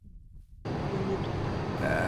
Минитӏу.